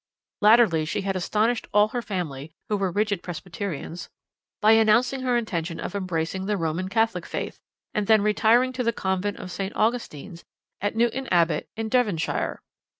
Latterly she had astonished all her family who were rigid Presbyterians by announcing her intention of embracing the Roman Catholic faith, and then retiring to the convent of St. Augustine's at Newton Abbot in Devonshire.